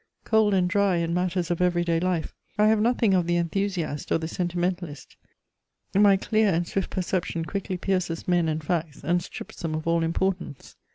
Cold and dry in matters of everyday life, I have nothing of the enthusiast or the sentimentalist: my clear and swift perception quickly pierces men and facts, and strips them of all importance.